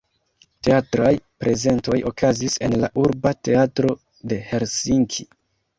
Teatraj prezentoj okazis en la urba teatro de Helsinki.